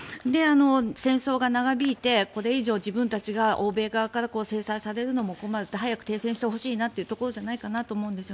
戦争が長引いてこれ以上自分たちが欧米側から制裁されるのも困る早く停戦してほしいなというところじゃないかなと思うんです。